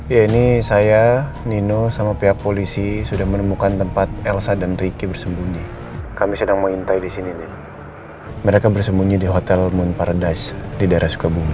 hai ini saya nino sama pihak polisi sudah menemukan tempat elsa dan ricky bersembunyi kami sedang mengintai di sini mereka bersembunyi di hotel moon paradise di daerah sukabumi